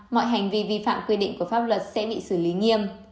mọi hành vi vi phạm quy định của pháp luật sẽ bị xử lý nghiêm